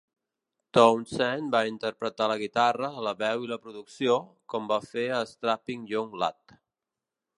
Townsend va interpretar la guitarra, la veu i la producció, com va fer a Strapping Young Lad.